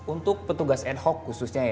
untuk petugas ad hoc khususnya ya